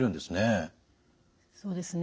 そうですね。